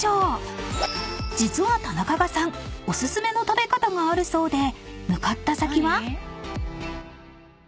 ［実はタナカガさんお薦めの食べ方があるそうで向かった先は］